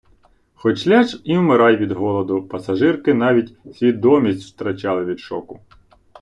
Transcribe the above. Хоч ляж і вмирай від голоду, пасажирки навіть свідомість втрачали від шоку.